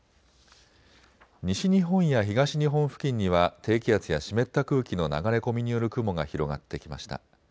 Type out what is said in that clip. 西日本や東日本付近には低気圧や湿った空気の流れ込みによる雲が広がってきました。